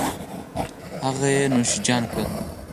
هغه یې نوش جان کړل